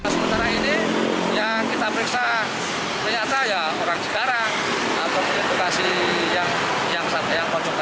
sementara ini yang kita periksa ternyata orang sekarang atau di bekasi yang konsultan